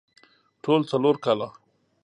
ټول څلور کاله